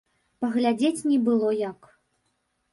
Паглядзець не было як.